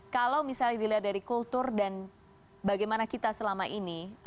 kalau misalnya dilihat dari kultur dan bagaimana kita selama ini